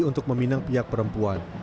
untuk meminang pihak perempuan